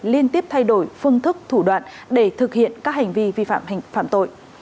liên tiếp thay đổi phương thức thủ đoạn để thực hiện các hành vi vi phạm tội